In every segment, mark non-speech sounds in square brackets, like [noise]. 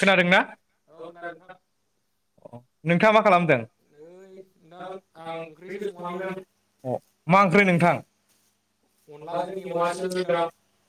खोनादोंना औ खोनादों नोंथां नोंथाङा मा खालामदों ओइ अ नोंथां आं ओंख्रिसो संहांदों मा ओंख्रै नोंथां अनलाजों मेवासो मेवाजों नोंथां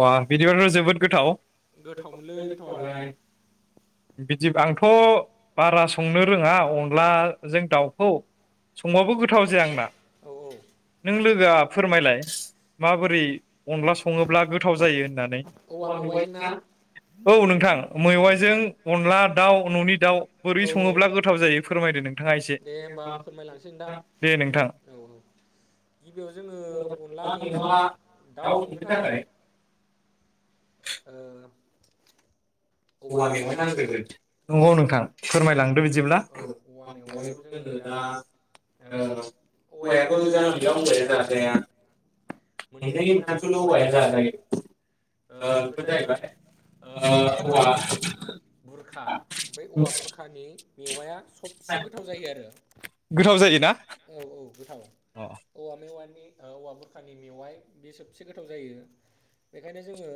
दां बिदिबाथ' जोबोद गोथाव गोथावमोनलै गोथावालाय बिदि आंथ' बारा संनो रोङा अन्लाजों दाउखौ संबाबो गोथाव जाया आंना औ औ नों लोगोआ फोरमायलाय माबोरै अनला सङोब्ला गोथाव जायो होननानै औवा मेवाइजों ना मुवायानो [unintelligible] औ नोंथां मैवाइजों अनला दाउ न'नि दाउ बोरै औ सङोब्ला गोथाव जायो फोरमायदो नोंथाङा एसे दे होमबा आं फोरमायलांसै नोंथां दे नोंथां औ औ गिबियाव जोङो अनला मेवा दाउ संनो थाखाय ओ औवा मेवाइ नांग्रोगोन नंगौ नोंथां फोरमायलांदो बिदिब्ला औ औवा मेवाइखौ मेवायखौ जोङो दोनो दा ओ ओ औवायाबो जानला मानला औवाया जाजाया मोननै मोनथामसोल' औवाया जाजायो ओ बेफोर ओ जाहैबाय ओ औवा बुरखा बे औवा बुरखानि मेवाया सबसे गोथाव जायो आरो गोथा जायोना औ औ गोथाव अ औवा मेवाय औवा बुरखानि मेवाइ बे सबसे गोथाव जायो बेखायनो जोङो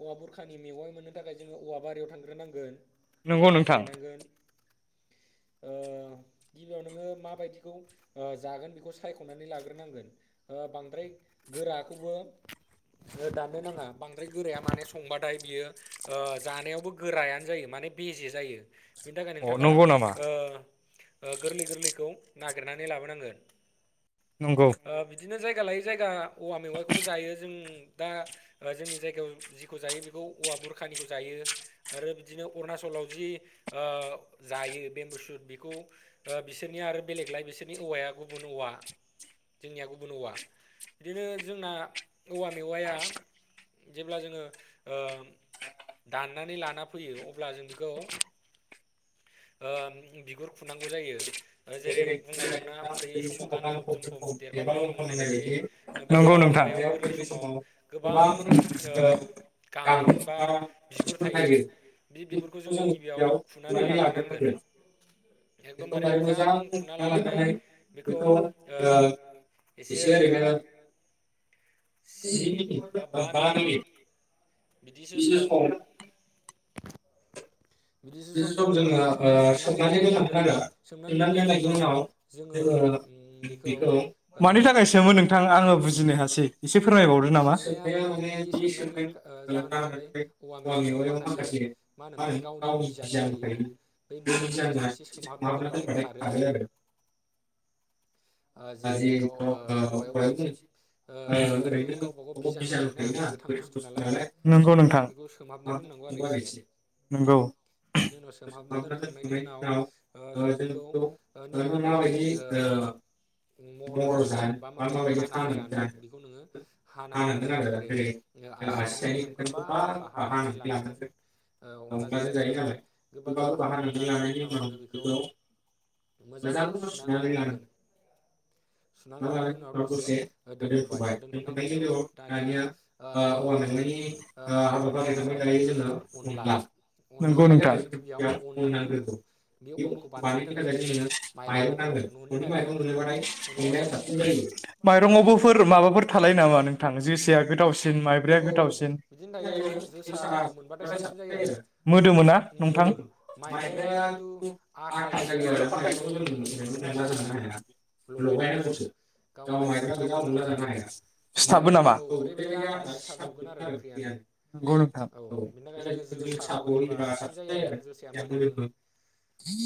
औवा बुरखानि मेवाइ मोननो थाखाय जोङो औवा बारियाव थांग्रोनांगोन बेखौ नंगौ नोंथां नागिरहैनांगोन ओ गिबियाव नोङो माबायदिखौ जागोन बेखौ सायख'नानै लाग्रोनांगोन बांद्राय गोराखौबो दाननो नाङा बांद्राय गोराया माने संबाथाय बियो जानायावबो गोरायानो जायो माने बेजे जायो बेनि थाखाय अ नोंथाङा नंगौ नामा ओ गोरलै गोरलैखौ नागिरनानै लाबोनांगोन नंगौ ओ बिदिनो जायगा लायै जायगा औवा मेवाइखौबो जायो जों दा जोंनि जायगायाव जिखौ जायो बेखौ औवा बुरखानिखौ जायो आरो बिदिनो अरुनाचलाव जि जायो बेम्बुसुद बेखौ बिसोरनिया आरो बेलेगलाय बिसोरनि औवाया गुबुन औवा जोंनिया गुबुन औवा बिदिनो जोंना औवा मेवाया जेब्ला जोङो दाननानै लाना फैयो अब्ला जों बेखौ ओ बिगुर खुनांगौ जायो जेरै बुंनाय दुंना उनदै समाव गानफब जोमफब देरबा लंथं होननायबादि बे नंगौ औवा नोंथां मेवायाव गोरलै समाव गोबां ओ गांखं बा बिगुर थायो बि बिगुरखौ जोङों गिबियाव बेखौ जों खुनानै बेयाव लाग्रो नानै बेखौ दायो मोजां खुना लानानै खालामनाय बेखौ ओ एसे ओरैनो जि मिनिट बा बा मिनिट बिदिसो सम बिदिसो [unintelligible] सम जोङो ओ सोमनानै सोबनानै दोननांगोन गोनां आरो सोमनानै दोननायनि सनानैनाव उनाव जोङो जोङो उम ओ बेखौ मानि थाखाय सोमोन नोंथां आङो बुजिनो हासै एसे फोरमायबावदो नामा सोमनाया माने बे सोमनायनि ओ सनाया जाहोना जाबाय औवा माखसे मा [unintelligible] बिजाब सोमहाबना दोनबाथाय खारो आरो ओ जे गाव ओ औवायावबो मोनसे ओ ओरैनो गावबा गाव बिजानु थायोना गोथां बुस्थु नालाय बेखौ सोमहाबना दोननांगौ आरो एसे [inaudible] नोंगौ बिनि उनाव सोमहाबना दोनखांनायनि उनाव ओ जोङो बेखौ नों माबायदि ओ मर' जानो बा माबायदि हानानै जानो बेखौ नोङो हानांगोन आरो जेरै आसि थाइनै थाइथाम गोबा गोबा हानानै लानांगोन। अनलाजों जायो नालाय गोबा गोबा हानानै लानायनि उनाव नोङो बेखौ मोजां सुनानै लानांगोन। सुना लानायनि उनाव दसे दोन्थ'बाय दोन्थ'नायनि उनाव दानिया ओ औवा मेवाइनि हाबाफारिया ओ थांबाय दायो जोङो अनला अनलानि थाखाय जोंनो गिबियाव अन नांग्रोगौ बे अनखौ बानायनो थाखाय जोंनो माइरं नांगोन न'नि माइरं मोनोबाथाय अनलाया साबसिन जायो माइरंआवबोफोर माबाफोर थालाय नामा नोंथां जोसेआ गोथावसिन औ माइब्रया औ गोथावसिन बिदिनो दायो जोसाखौ मोनबाथाय साबसिन जायो आरो मोदोमोना नंथां मोदोमो माइब्राया खिन्थु आथा जायो आरो माइब्राखौ जोङो ओरैनो अनला जानो हाया लगायनांगौसो गाव माइब्रा गोजा अनला जानो हाया [unintelligible] बियो सिथाबो नामा औ ओरैबायदि आथा सिथाबजोबगोन आरो ओंख्रियानो नोंगौ नोंथां। औ बिनि थाखाय जोङो जोसाखौ होयोबा साबसिन जायो आरो जोसाया मोदोमो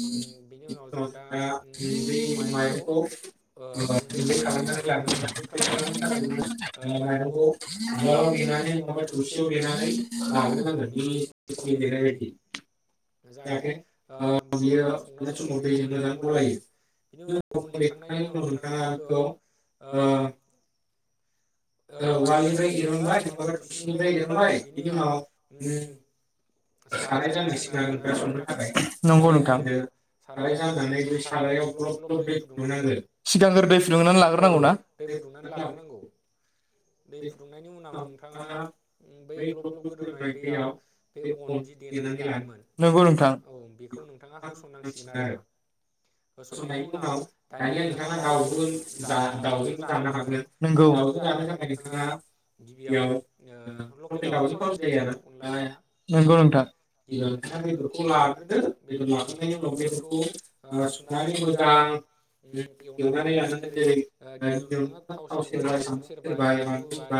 उम बिनि उनाव जोङो दा उम बै माइरंखौ ओ गुन्दै खालामनानै लाग्रोनांगोन गुन्दै खालामनो थाखाय नोङो ओ माइरंखौ उवालाव देनानै नङाबा थौसियाव देनानै लाग्रोनांगोन मिस [unintelligible] गेब्लेनाय बायदि जाहाथे ओ बियो संनाय समाव दैजों मोजां गलायो बिनि उनाव अन देखांनायनि उनाव नोंथाङा बेखौ ओ [unintelligible] ओ औ उवालनिफ्राय मानिफ्राय दिरुनबाय एरनबाय नङाबा थबसिनिफ्राय थौसिनिफ्राय एरनबाय दिरुनबाय बिनि उनाव उम साराय जाननांसिगोन आरो नोंथाङा संनो थाखाय साराय जानदो साराय जाननानै बे सारायाव ग्लब ग्लब दै फुदुंनांगोन औ दै फुदुंनानै लाग्रोनांगौ। दै फुदुंनायनि उनाव नोंथाङा बै ग्लब ग्लब गोदौनाय दैयाव अनजि देनानै लादोंमोन नंगौ नोंथां औ बेखौ नोंथाङा होसननांसिगोन आरो। होसन्नायनि उनाव दानिया नोंथाङा दाउबो जा दाउजोंबो जानो हागोन दाउजों जानो थाखाय नोंथाङा गिबियाव बेयाव ओ लकेल दाउजों थावसिन जायो आरो अनलाया। नोंगौ नोंथां गिबियाव नोंथाङा बेदरखौ लाग्रोदो बेदर [unintelligible] नानै मोजां ओम एवनानै लानांगोन जेरै ओ गिबियावनो नोंथाङा थाव सेरखाय सामब्राम सेरखाय बानलु होबाय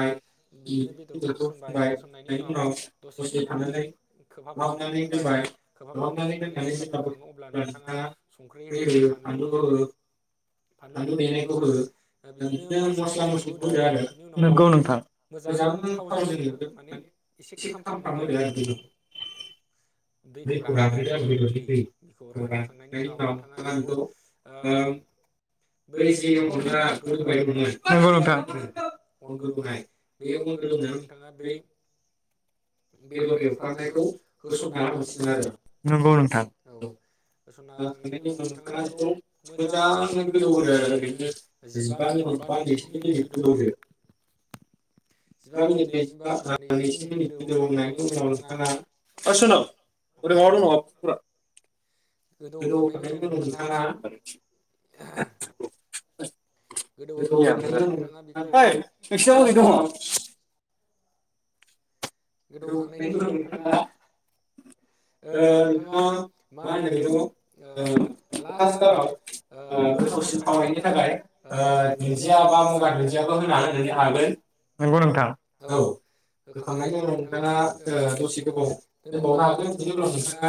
बिदिनो बेदरखौ होसनबाय फुबाय होसननायनि फुनायनि उनाव दसे मोजां नानै थानानै खोबहाबनानै दोनबाय खोबहाबनानै दोननानै जेब्ला बोखाङो अब्ला नोंथाङा संख्रै नां [inaudible] फानलु देनायखौ हो बिदिनो मस्ला मस्लिखौ होदो आरो बिनि उनाव नोंगौ नोंथां। मोजां थावजों एवदो माने एसे खामफ्राम होदो आरो बेदरखौ बै दैखौ रानहोदो खराखैनो आरो आं बेदरनि बेदरजों दैखौ रानहोखांनायनि उनाव [unintelligible] [unintelligible] नोंथाङा बेखौ ओम बै जि अनला गोदौबाय दंमोन उम अन गोदौनाय बे अन गोदौनायाव नोंथाङा बे बेदर एवफ्रामनायखौ होसनना होनांसिगोन आरो नोंगौ नोंथां। औ होसनना होखांनायनि उनाव नोंथाङा बेखौ [unintelligible] मोजाङै गोदौ होदो आरो [unintelligible] ओरैनो जिबा ओइ मिनिट बा नैजि मिनिट गोदौ सुनु होदो ओरै जिबा मिनिट माबा नैजिबा नैजि मिनिट गोदौ दं होनायनि उनाव नोंथाङा नामा माबा पकरा गोदौ होखांना नायनि उनाव गोदौहोखांनायनि नोंथाङा उनाव नोंथाङा बेखौ [inaudible] लास्टथाराव [unintelligible] गोदौखांनायनि उनाव नोंथाङा ओ नोंथाङा [unintelligible] मा होनो बेखौ ओ लास्टथाराव ओ नंगौ गोथावसिन थावनायनि थाखाय ओ दुन्दिया बा मगा दुन्दियाबो होना नोंथां होनोनो हागोन औ होखांनायनि उनाव [unintelligible] [unintelligible] नोंथाङा ओ दसे जानायनि गोबाव दोनबावनो हागोन बिनि उनाव नोंथाङा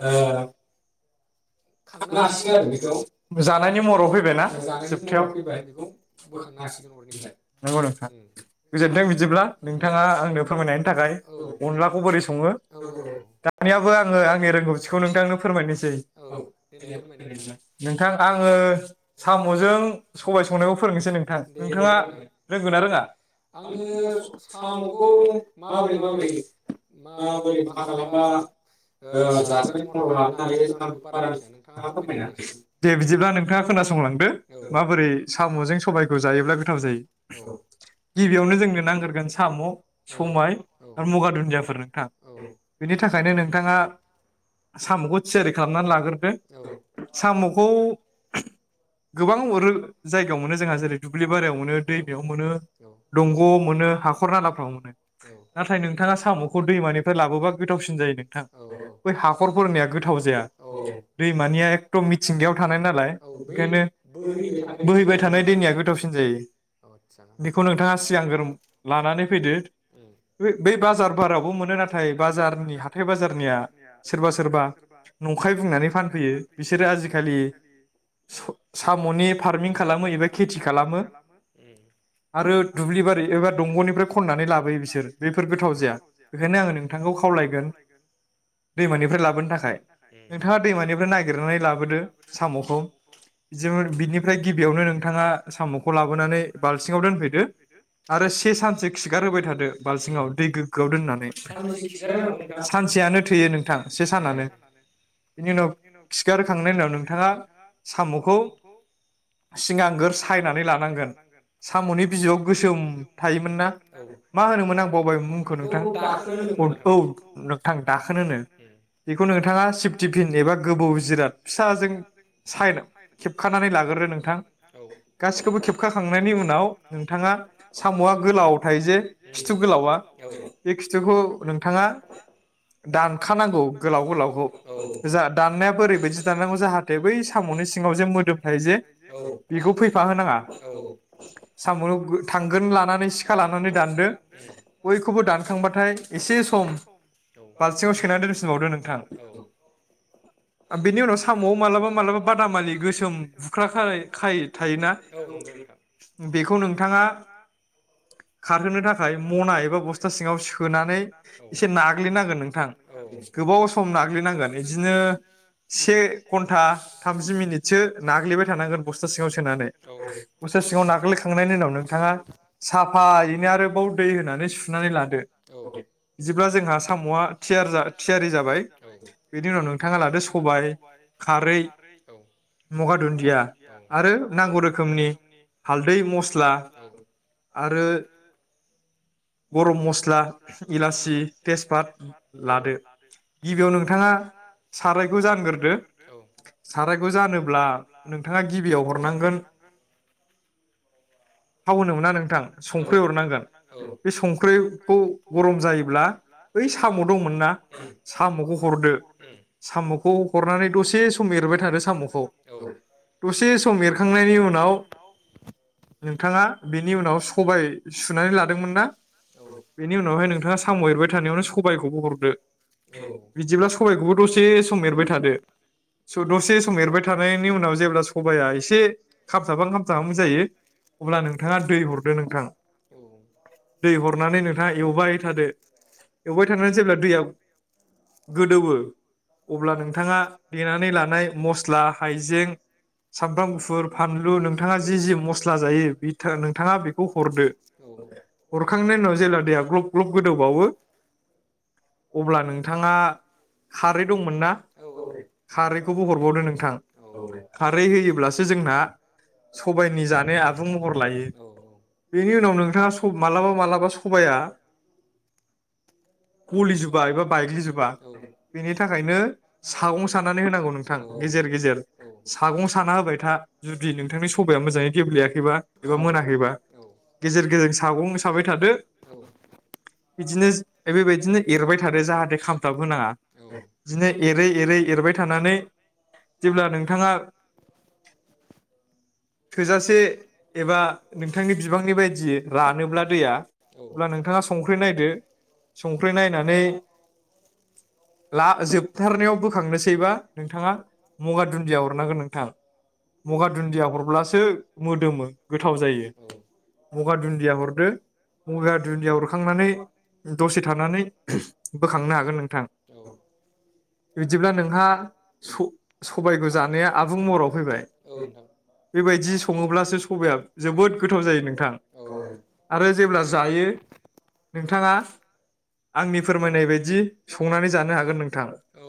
ओ खांनो हासिगोन आरो बेखौ महराव फैबाय जानायनि महराव फैबाय बेखौ औ, बोखांनो हासिगोन अरनिफ्राय नंगौ नोंथां उम गोजोन्थों बिदिब्ला नोंथाङा आंनो फोरमायनाय औ अनलाखौ बोरै सङो औ दानियाबो आङो आंनि रोंगौथिखौ नोंथांनो फोरमायनोसै औ देनाय फोरमायनाय नोंथां नोंथां आङो साम'जों सबाय संनायखौ फोरोंनोसै नोंथां दे दे नोंथाङा फोरोंनाय रोंगोन ना रोङा? आङो साम'खौ [inaudible] माबोरै [inaudible] दे मा माबोरै माबोरै खालामबा ओ जाजानाय महराव लाबोनो हायो आं बेखौ बारा मिथिया नोंथाङा फोरमायना होनायसै बिदिब्ला नोंथाङा खोनासंलांदो औ माबोरै साम'जों सबायखौ जायोब्ला गोथाव औ जायो गिबियावनो जोंनो नांगोरगोन साम' औ संबाय आरो मगा दुन्दियाफोर नोंथां। औ बेनि थाखायनो नोंथाङा साम'खौ थियारि खालामनानै लागोरदो औ साम'खौ गोबां जायगायाव मोनो जोंहा जेरै दुब्लि बारियाव मोनो, दैमायाव मोनो दंग'आव मोनो, हाखर नालाफ्राव मोनो औ नाथाय नोंथाङा साम'खौ दैमानिफ्राय लाबोबा गोथावसिन जायो नोंथां। औ बै हाखरफोरनिया गोथाव जाया। औ दैमानिया एखदम मिथिंगायाव थानाय नालाय औ बै ओंखायनो बोहैबाय थानाय दैनि बोहैबाय जानांगौ थानाय नामा दैनिया गोथावसिन जायो आतसा बेखौ नोंथाङा सिगांगोर लानानै फैदो उम बै बै बाजार बारावबो मोनो नाथाय बाजारनि, हाथाय बाजारनिया सोरबा सोरबा नंखाय बुंनानै फानफैयो उम बिसोरो आतसा आजिखालि सा-साम'नि फारमिं खालामो एबा खेथि खालामो आरो दुब्लि बारि एबा दंग'निफ्राय खननानै लाबोयो। बिसोर बेफोर गोथाव जाया। बेखायनो आङो नोंथांखौ खावलायगोन दैमा निफ्राय लाबोनो थाखाय, नोंथाङा दैमानिफ्राय नागिरनानै लाबोदो साम'खौ, जोङो बिनिफ्राय गिबि यावनो नोंथाङा साम'खौ लाबोनानै बाल्थिं आव दोनफैदो आरो से सानसो खिगार होबाय़ थादो। ओम। सानबैसे खिगार होनांगौ नोंथां? सानसेयानो थोयो नोंथां से सानानो। बिनि उनाव खिगार होखांनायनि उनाव नोंथाङा साम'खौ सिगां सिगांगोर गोर सायनानै सायनानै‌ लानांगोन। साम'नि बिजौआव गोसोम थायोना? औ बेखौ मा होनोमोन आं बावबाय नोंथां। बेखौ दाखोन होनो खोमा औ नोंथां। नोंथां दाखोन होनो बेखौ नोंथाङा सिफटिफिन एबा गोबौ जिराद फिसाजों साइन खेबखानानै लाग्रो नोंथां गासिखौबो खेबखाखांनायनि उनाव नोंथाङा साम'आ गोलाव थायो जे [unintelligible] खिथु गोलावा औ बे खिथुखौ नोंथाङा दानखा नांगौ गोलाव गोलाव। उम औ जा दाननायाबो ओरै बायदि दाननांगौ जाहाथे बै साम'नि सिङाव जे मोदोम थायो जे बेखौ फैफा होनाङा। औ साम'खौ थांगोन लानानै सिखा लानानै दान आरो बयखौबो दानखां बाथाय एसे सम बालथिङाव सोनानै दोनफिन बावदो नोंथां। औ लआ बेनि उनाव साम'आव मालाबा मालाबा बादामालि गोसोम बुख्रा खानाय खायो थायोना औ नंगौ नोंथां बेखौ नोंथाङा खारहो नो थाखाय मना एबा बस्था सिङाव सोनानै एसे नाग्लि नांगोन नांथां। गोबाव सम नाग्लि नांगोन इदिनो से घण्टा थामजि मिनिटसो नाग्लिबाय थानांगोन बस्था सिङाव सोनानै। बस्था सिङाव नाग्लि खांनायनि उनाव नोंथाङा साफायैनो आरो दै होनानै सुनानै लादो। ओरै बिदिब्ला जोंहा साम'आ थि थियारि जाबाय। बेनि उनाव नोंथाङा लादो सबाय, खारै, गंगार मगा दुन्दिया आरो नांगौ रोखोमनि हालदै, मस्ला आरो गरम मस्ला, एलासि तेजपात लादो। बिनि उनाव नोंथाङा सारायखौ साराइखौ जानग्रोदो जानगोरदो, साराइखौ जानोब्ला नोंथाङा गिबियाव हरनांगोन थाव होनो मोना नोंथां। संख्रै हरनां गोन। बे संख्रै खौ गरम जायोब्ला ओइ साम दंमोन ना साम'खौ हरदो साम'खौ हरनानै दसे सम एरबाय थादो साम'खौ दसे सम एरखांनायनि उनाव नोंथाङा बेनि उनाव सबाय सुनानै ला दोंमोनना बेनि उनावहाय नोंथाङा साम' एरबाय थानायावनो सबायखौबो हरदो बिदिबा सबायखौबो दसे सम एरबाय थादो दसे सम एरबाय थानायनि उनाव जेब्ला सबाया एसे खाबथाहां खामथाबहां जायो अब्ला नोंथाङा दै हरदो। नोंथां औ। दै हरनानै नोंथाङा एवबाय थादो एवबाय थानानै जेब्ला दैया गोदौवो अब्ला नोंथाङा देनानै लानाय मस्ला हायजें सामब्राम गुफुर फानलु नोंथाङा जि जि मस्ला जायो बि नोंथाङा बे खौ हरदो। हरखांनायनि उनाव जेला दैया ग्लब ग्लब गोदौ बावो अब्ला नोंथाङा खारै दंमोन ना खारै खौबो हरबावदो नोंथां खारै होयोब्लासो जोंना सबायनि जानाया आबुं महर लायो। बेनि उनाव नो नोंथाङा मालाबा मालाबा सबाया गलिजोबा एबा बायग्लि जोबा बेनि थाखायनो सागं सानानै होनांगौ नोंथां गेजेर गेजेर सागं साना होबाय था जुदि नोंथांनि सबाया मोजाङै गेब्लेया खैबा एबा मोना खैबा गेजेर सागं साबाय थादो बिदिनो बेबायदिनो एरबाय थादो जाहाथे खामथाब होनाङा बिदिनो एरै एरै एरबाय थानानै जेब्ला नोंथाङा थोजासे एबा नोंथांनि बिबांनि बायदियै रानोब्ला दैया औ अब्ला नोंथाङा संख्रि नायदो। संख्रि नायनानै ला जोबथारलनायाव बोखांनोसै बा नोंथाङा मगा दुन्दिया हरनांगोन नोंथां मगा दुन्दिया हरब्लासो मोदोमो गोथाव जायो। औ मगा दुन्दिया हरदो मगा दुन्दिया हरखांनानै दसे थानानै [unintelligible] बोखांनो हागोन नोंथां औ बिदिब्ला नोंहा स सबायखौ जानाया आबुं महराव फैबाय नोंथां बेबायदि सङो ब्लासो सबाया जोबोद गोथाव जायो नोंथां। औ आरो जेब्ला जायो नोंथाङा आंनि फोरमायनाय बायदि संनानै जानो हागोन नोंथां औ